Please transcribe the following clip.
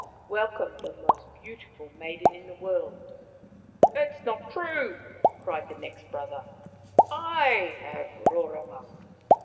Welcome the most beautiful maiden in the world." " It is not true I " cried the next brother. " I have Roronga."